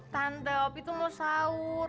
tante opi tuh mau sahur